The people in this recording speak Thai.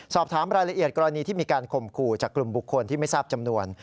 สอบถามรายละเอียดกรณีที่มีการข่มขู่จากกลุ่มบุคคลที่ไม่ทราบจำนวน